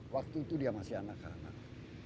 waktu itu dia masih anak anak